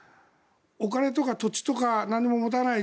お金とか土地とか何も持たない。